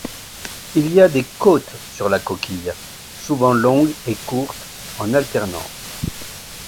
Il y des côtes sur la coquille, souvent longues et courtes en alternance.